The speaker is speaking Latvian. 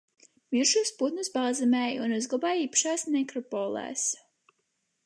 Mirušos putnus balzamēja un uzglabāja īpašās nekropolēs.